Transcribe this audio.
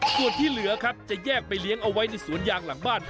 ส่วนที่เหลือครับจะแยกไปเลี้ยงเอาไว้ในสวนยางหลังบ้าน